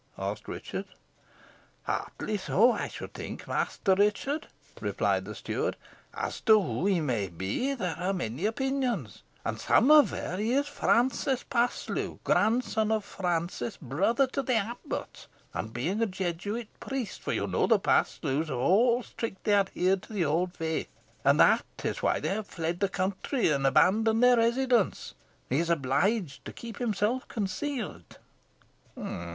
asked Richard. "Hardly so, I should think, Master Richard," replied the steward. "As to who he may be there are many opinions; and some aver he is Francis Paslew, grandson of Francis, brother to the abbot, and being a Jesuit priest, for you know the Paslews have all strictly adhered to the old faith and that is why they have fled the country and abandoned their residence he is obliged to keep himself concealed."